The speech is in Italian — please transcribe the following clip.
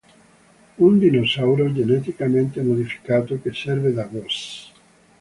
Un dinosauro geneticamente modificato che serve da boss.